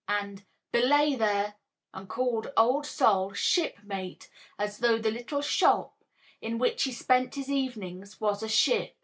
and "Belay, there!" and called Old Sol "Shipmate," as though the little shop, in which he spent his evenings, was a ship.